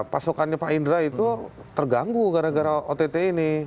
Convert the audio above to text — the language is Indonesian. pasukannya pak indra itu terganggu gara gara ott ini